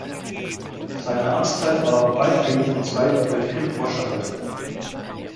Seine Amtszeit war weitgehend vom Zweiten Weltkrieg überschattet.